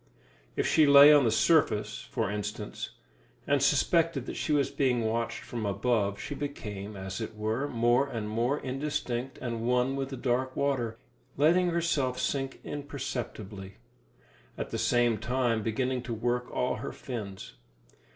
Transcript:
If she lay on the surface, for instance, and suspected that she was being watched from above, she became, as it were, more and more indistinct and one with the dark water, letting herself sink imperceptibly, at the same time beginning to work all her fins.